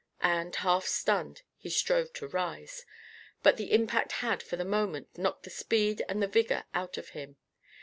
And, half stunned, he strove to rise. But the impact had, for the moment, knocked the speed and the vigour out of him.